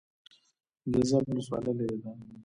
ګیزاب ولسوالۍ لیرې ده؟